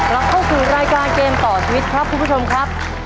เราเข้าสู่รายการเกมต่อชีวิตครับคุณผู้ชมครับ